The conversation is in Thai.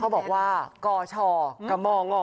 เขาบอกว่ากชอร์จกะมงอ